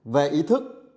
về ý thức